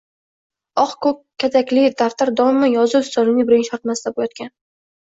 oq-ko‘k katakli daftar doimo yozuv stolimning birinchi tortmasida yotgan.